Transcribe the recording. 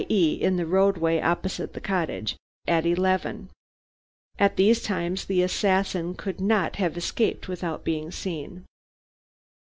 e., in the roadway opposite the cottage at eleven. At these times the assassin could not have escaped without being seen.